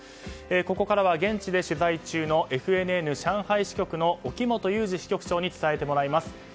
ここからは現地で取材中のＦＮＮ上海市局長の沖本有二さんに伝えてもらいます。